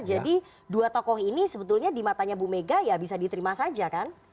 jadi dua tokoh ini sebetulnya di matanya ibu mega ya bisa diterima saja kan